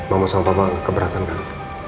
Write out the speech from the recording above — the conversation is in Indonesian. mama sama papa keberatan kan